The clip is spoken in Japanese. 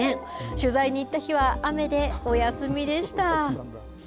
取材に行った日は雨でお休みでした。